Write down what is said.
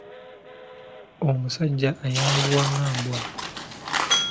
Omusajja ayanguwa ng'mbwa.